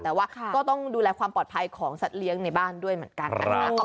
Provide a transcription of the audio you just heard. แต่ว่าก็ต้องดูแลความปลอดภัยของสัตว์เลี้ยงในบ้านด้วยเหมือนกันนะคะ